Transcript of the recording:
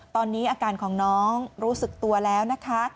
ตอนนี้อาการของน้องรู้สึกตัวแล้วนะคะ